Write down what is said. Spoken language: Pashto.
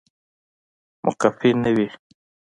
مقفي نه وي